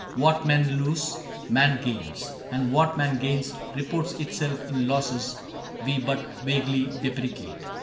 What men lose, Man gains ; and what man gains reports itself In losses we but vaguely deprecate.